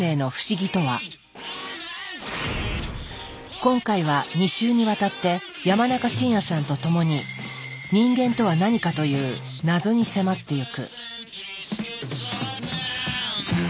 今回は２週にわたって山中伸弥さんとともに人間とは何かという謎に迫ってゆく。